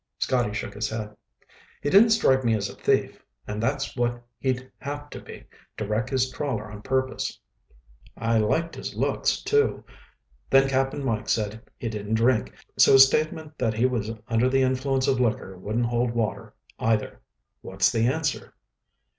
Scotty shook his head. "He didn't strike me as a thief, and that's what he'd have to be to wreck his trawler on purpose." "I liked his looks, too. Then Cap'n Mike said he didn't drink, so his statement that he was under the influence of liquor wouldn't hold water, either. What's the answer?"